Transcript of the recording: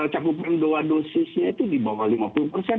capupan doa dosisnya itu di bawah lima puluh persen